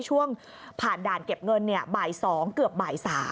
ช่วงผ่านด่านเก็บเงินบ่าย๒เกือบบ่าย๓